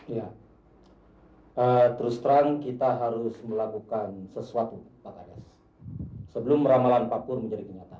ya terus terang kita harus melakukan sesuatu pak kades sebelum ramalan pakur menjadi kenyataan